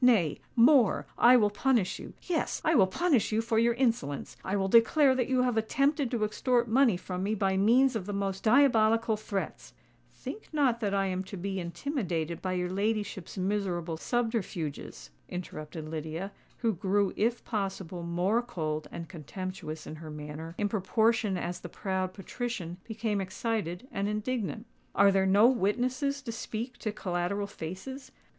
Nay—more: I will punish you—yes, I will punish you for your insolence! I will declare that you have attempted to extort money from me by means of the most diabolical threats——" "Think not that I am to be intimidated by your ladyship's miserable subterfuges," interrupted Lydia, who grew if possible more cold and contemptuous in her manner in proportion as the proud patrician became excited and indignant. "Are there no witnesses to speak to collateral faces?